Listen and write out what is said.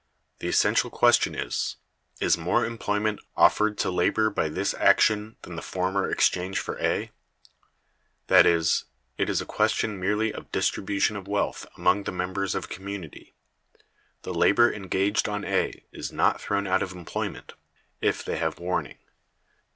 The essential question is, Is more employment offered to labor by this action than the former exchange for A? That is, it is a question merely of distribution of wealth among the members of a community. The labor engaged on A is not thrown out of employment (if they have warning).